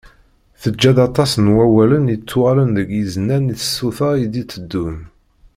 Teǧǧa-d aṭas n wawalen yettuɣalen deg yiznan i tsuta i d-iteddun.